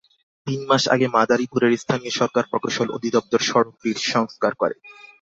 তিন মাস আগে মাদারীপুরের স্থানীয় সরকার প্রকৌশল অধিদপ্তর সড়কটির সংস্কার করে।